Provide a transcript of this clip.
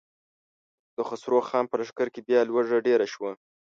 د خسرو خان په لښکر کې بيا لوږه ډېره شوه.